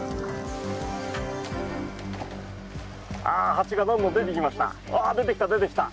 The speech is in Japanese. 蜂がどんどん出てきました。